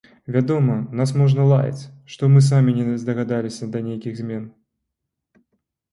Вядома, нас можна лаяць, што мы самі не здагадаліся да нейкіх змен.